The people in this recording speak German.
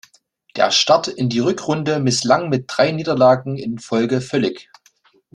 Der Start in die Rückrunde misslang mit drei Niederlagen in Folge völlig.